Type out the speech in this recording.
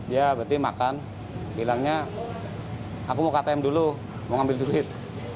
ya berarti makan bilangnya aku mau ke atm dulu mau ambil duit